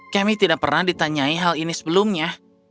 kami tidak pernah ditanyai hal ini sebelumnya